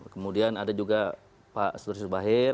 kemudian ada juga pak sudir subahir